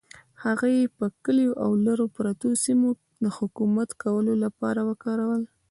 هغه یې پر کلیو او لرو پرتو سیمو د حکومت کولو لپاره وکارول.